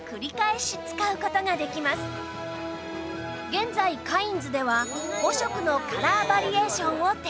現在カインズでは５色のカラーバリエーションを展開